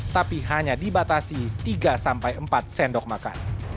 tapi hanya dibatasi tiga sampai empat sendok makan